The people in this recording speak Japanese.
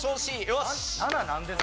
よし！